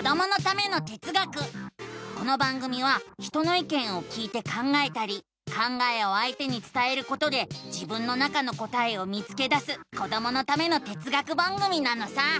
この番組は人のいけんを聞いて考えたり考えをあいてにつたえることで自分の中の答えを見つけだすこどものための哲学番組なのさ！